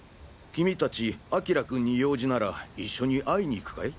君たち明君に用事なら一緒に会いに行くかい？